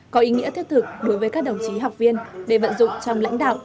có ý nghĩa thiết thực đối với các đồng chí học viên để vận dụng trong lãnh đạo